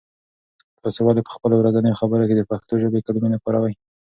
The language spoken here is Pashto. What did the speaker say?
تاسې ولې په خپلو ورځنیو خبرو کې د پښتو ژبې کلمې نه کاروئ؟